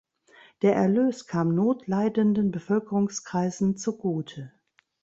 Der Erlös kam notleidenden Bevölkerungskreisen zugute.